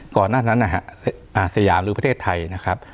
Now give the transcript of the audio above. ก่อนหน้านั้นนะฮะสยามหรือประเทศไทยนะครับ